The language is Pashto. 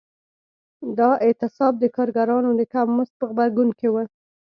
دا اعتصاب د کارګرانو د کم مزد په غبرګون کې و.